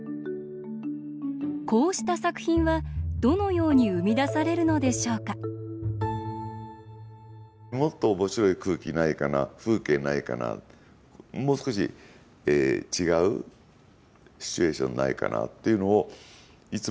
こうした作品は、どのように生み出されるのでしょうかもっとおもしろい空気ないかな、風景ないかなもう少し違うシチュエーションないかなっていつも考えている。